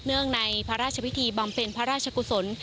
เนื่องในพระราชพิธีบำเป็นพระราชกุศล